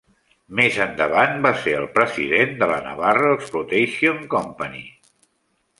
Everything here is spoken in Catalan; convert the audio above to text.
Més endavant va ser el president de la Navarro Explotation Company.